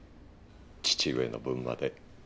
父上の分まで。